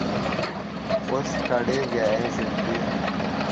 اوس کړېږه اې زړګيه!